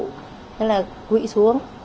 thế là quỵ xuống